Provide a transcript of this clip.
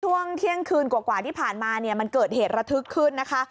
ช่วงเที่ยงคืนกว่าที่ผ่านมาเนี่ยมันเกิดเหตุระทึกขึ้นนะคะ